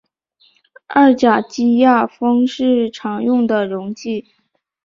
二甲基亚砜是常用的溶剂。